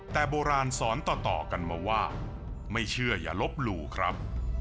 แต่โบราณสอนต่อกันมาว่าไม่เชื่ออย่าลบหลู่ครับ